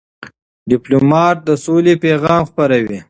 ډيپلومات د سولې پیغام خپروي.